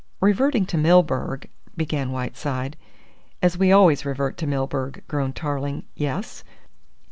"Reverting to Milburgh," began Whiteside. "As we always revert to Milburgh," groaned Tarling. "Yes?"